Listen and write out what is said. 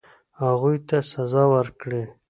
هغوی ته سزا ورکړي.